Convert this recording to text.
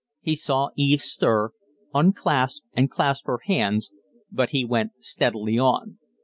He saw Eve stir, unclasp and clasp her hands, but he went steadily on.